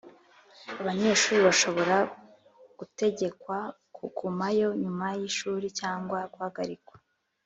Abanyeshuri bashobora gutegekwa kugumayo nyuma y ishuri cyangwa guhagarikwa